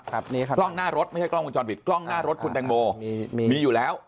กล้องหน้ารถไม่ใช่กล้องวงจรปิดกล้องหน้ารถคุณแตงโมมีอยู่แล้ว